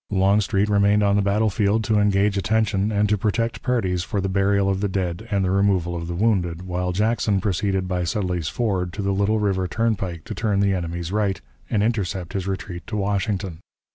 Longstreet remained on the battle field to engage attention and to protect parties for the burial of the dead and the removal of the wounded, while Jackson proceeded by Sudley's Ford to the Little River turnpike to turn the enemy's right, and intercept his retreat to Washington.